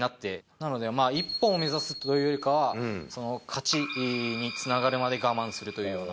なので、一本を目指すというよりかは、勝ちにつながるまで我慢するというような。